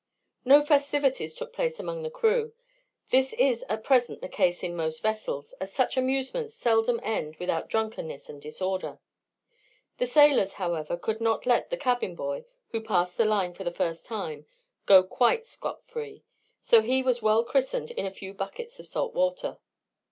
No festivities took place among the crew. This is at present the case in most vessels, as such amusements seldom end without drunkenness and disorder. The sailors, however, could not let the cabin boy, who passed the line for the first time, go quite scot free; so he was well christened in a few buckets of salt water.